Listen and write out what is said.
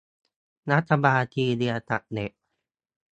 รัฐบาลซีเรียตัดเน็ต